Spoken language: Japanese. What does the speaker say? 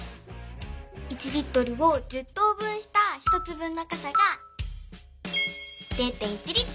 １Ｌを１０とう分した１つ分のかさが０．１Ｌ。